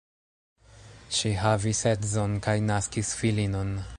Ŝi havis edzon kaj naskis filinon.